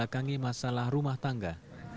dia terbelakangi masalah rumah tangga